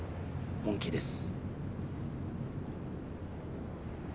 本気です。